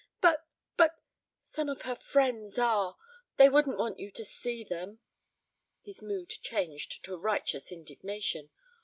But but some of her friends are. They wouldn't want you to see them." His mood changed to righteous indignation.